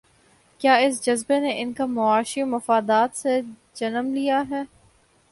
کیا اس جذبے نے ان کے معاشی مفادات سے جنم لیا ہے؟